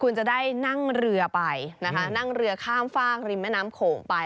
คุณจะได้นั่งเรือไปนะคะนั่งเรือข้ามฝากริมแม่น้ำโขงไป